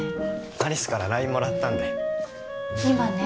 有栖からＬＩＮＥもらったんで今ね